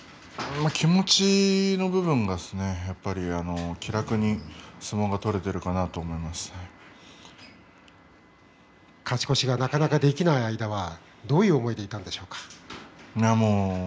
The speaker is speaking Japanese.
気持ちの部分が気楽に勝ち越しがなかなかできない時はどういう思いでいたんでしょうか。